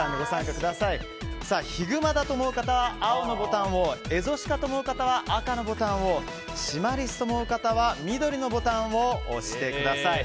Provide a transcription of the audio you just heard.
ヒグマだと思う方は青のボタンをエゾシカだと思う方は赤のボタンをシマリスだと思う人は緑のボタンを押してください。